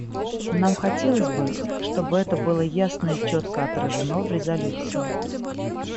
Нам хотелось бы, чтобы это было ясно и четко отражено в резолюции.